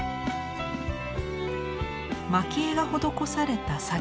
まき絵が施された提